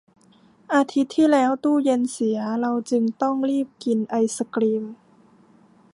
อาทิตย์ที่แล้วตู้เย็นเสีย เราจึงต้องรีบกินไอศกรีม